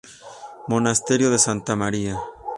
Monasterio de Santa María.